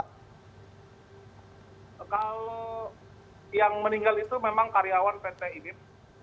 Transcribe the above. kalau yang meninggal itu memang karyawan pt idim